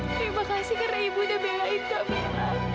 terima kasih karena ibu udah belain kami